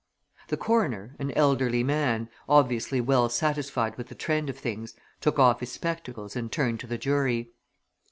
The coroner, an elderly man, obviously well satisfied with the trend of things, took off his spectacles and turned to the jury.